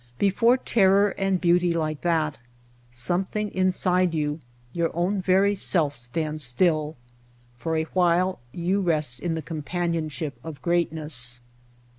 Be fore terror and beauty like that, something inside you, your own very self, stands still; for a while you rest in the companionship of greatness.